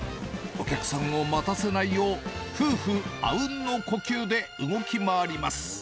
お客さんを待たせないよう、夫婦あうんの呼吸で動き回ります。